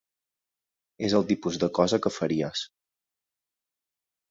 És el tipus de cosa que faries.